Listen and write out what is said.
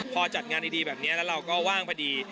พอจัดงานดีแบบนี้แล้วเราก็ว่างพอดี